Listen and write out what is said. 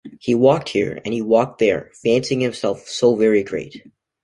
He walked here, and he walked there, fancying himself so very great!